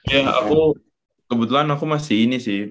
ya aku kebetulan aku masih ini sih